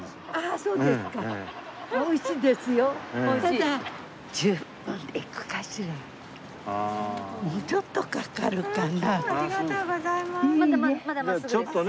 そうですね。